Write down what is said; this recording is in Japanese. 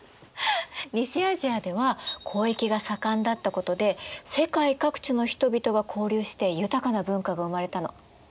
西アジアでは交易が盛んだったことで世界各地の人々が交流して豊かな文化が生まれたの。